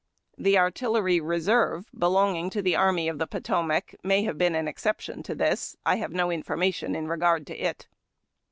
The Artillery Reserve, belonging to the Army of the Potomac, may have been an exception to this. I have no information in regard to it.